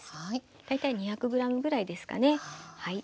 大体２００ｇぐらいですかねはい。